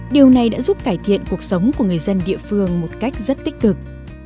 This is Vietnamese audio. điều này đã giúp cải thiện cuộc sống của người dân địa phương một cách rất tích cực